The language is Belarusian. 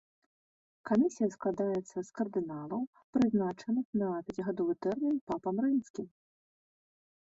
Камісія складаецца з кардыналаў, прызначаных на пяцігадовы тэрмін папам рымскім.